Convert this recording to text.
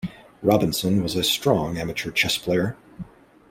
Robinson was a strong amateur chess player.